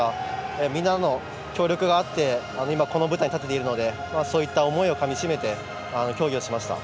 みんなの協力があってこの舞台に立てているのでそういった思いをかみしめて競技をしました。